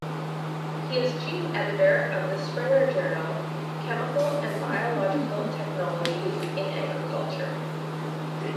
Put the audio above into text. He is chief editor of the Springer journal "Chemical and Biological Technologies in Agriculture".